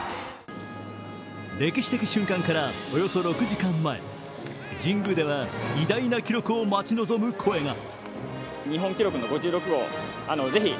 歴史的瞬間からおよそ６時間前、神宮では偉大な記録を待ち望む声が。